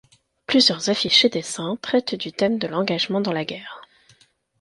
Plusieurs affiches et dessins traitent du thème de l'engagement dans la guerre.